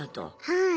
はい。